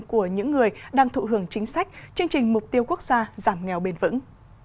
của những người đang thụ hưởng chính sách chương trình mục tiêu quốc gia giảm nghèo bền vững